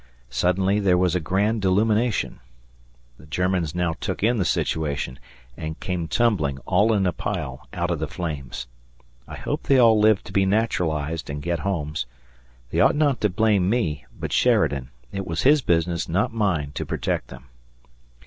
Suddenly there was a grand illumination. The Germans now took in the situation and came tumbling, all in a pile, out of the flames. I hope they all lived to be naturalized and get homes. They ought not to blame me, but Sheridan; it was his business, not mine, to protect them.